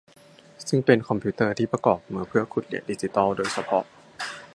ซึ่งเป็นคอมพิวเตอร์ที่ประกอบมาเพื่อขุดเหรียญดิจิทัลโดยเฉพาะ